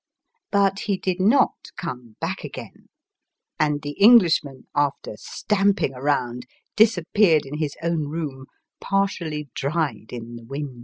But he did not come back again, and the Englishman, after stamping round, disappeared in his own room, partially dried in the wind.